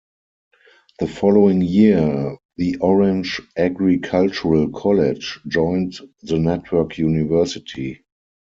The following year the Orange Agricultural College joined the network University.